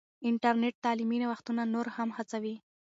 انټرنیټ تعلیمي نوښتونه نور هم هڅوي.